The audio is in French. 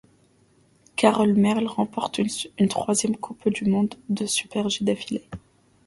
Carole Merle remporte une troisième coupe du monde de super-G d'affilée.